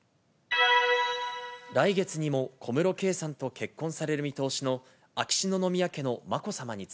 来月にも小室圭さんと結婚される見通しの秋篠宮家のまこさまにつ